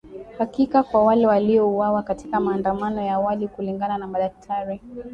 Haki kwa wale waliouawa katika maandamano ya awali kulingana na madaktari